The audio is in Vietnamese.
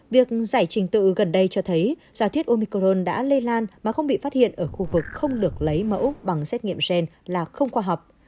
việc giải trình tự gần đây cho thấy giả thiết omicron đã lây lan mà không bị phát hiện ở khu vực không được lấy mẫu bằng xét nghiệm gen là không khoa học